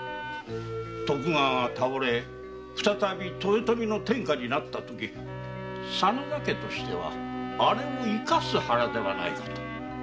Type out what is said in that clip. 徳川が倒れ再び豊臣の天下になった時に真田家としてはあれを生かす腹ではないかと。